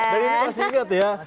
dan ini masih ingat ya